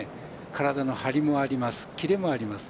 体のハリもあります。